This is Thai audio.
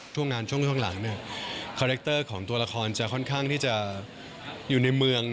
ช่วงงานช่วงหลังเนี่ยคาแรคเตอร์ของตัวละครจะค่อนข้างที่จะอยู่ในเมือง